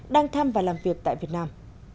đang thăm và làm việc tại việt nam